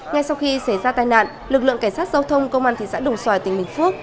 ngay sau khi xảy ra tai nạn lực lượng cảnh sát giao thông công an thị xã đồng xoài tỉnh bình phước